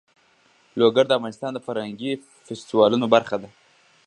لوگر د افغانستان د فرهنګي فستیوالونو برخه ده.